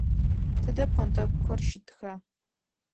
Тыдэ пхъэнтӏэкӏухэр щытыха?